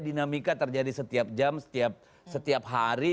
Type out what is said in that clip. dinamika terjadi setiap jam setiap hari